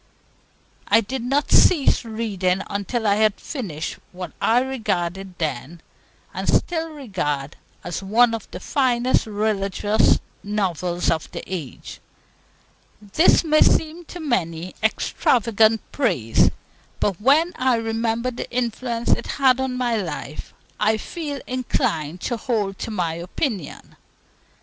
I did not cease reading until I had finished what I regarded then, and still regard, as one of the finest religious novels of the age. This may seem to many extravagant praise; but when I remember the influence it had on my life, I feel inclined to hold to my opinion.